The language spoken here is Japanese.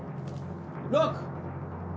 ６。